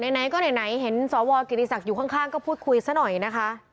ไหนก็ไหนเห็นสวกิติศักดิ์อยู่ข้างก็พูดคุยซะหน่อยนะคะ